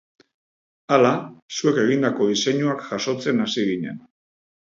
Hala, zuek egindako diseinuak jasotzen hasi ginen.